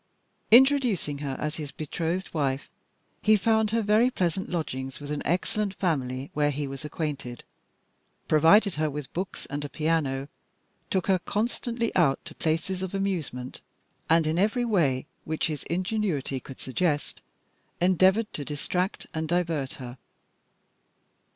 Introducing her as his betrothed wife, he found her very pleasant lodgings with an excellent family, where he was acquainted, provided her with books and a piano, took her constantly out to places of amusement, and, in every way which his ingenuity could suggest, endeavoured to distract and divert her.